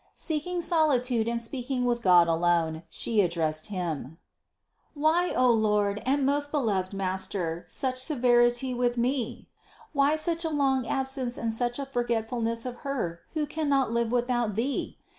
715. Seeking solitude and speaking with God alone, THE CONCEPTION 549 She addressed Him: "Why, O Lord and most beloved Master, such severity with me? Why such a long ab sence and such a forgetfulness of her, who cannot live without Thee?